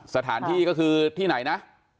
สถานที่ก็คือที่ไหนนะ